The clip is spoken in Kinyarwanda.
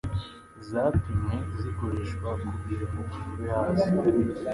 zapimwe zikoreshwa kugirango umuriro ube hasi